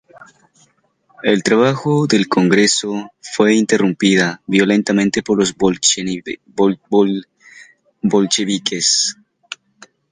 El trabajo del Congreso fue interrumpida violentamente por los bolcheviques.